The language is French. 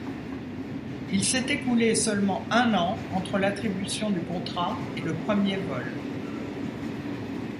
Il s'est écoulé seulement un an entre l'attribution du contrat et le premier vol.